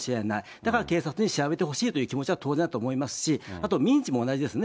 だから警察に調べてほしいという気持ちは当然だと思いますし、あと民事も同じですね。